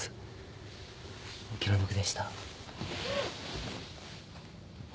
お気の毒でした。